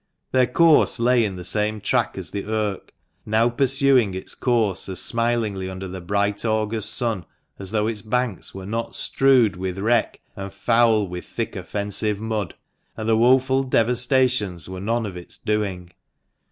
Their course lay in the same track as the Irk, now pursuing its course as smilingly under the bright August sun as though its banks were not strewed with wreck, and foul with thick offensive mud, and the woeful devastations were none of its doing.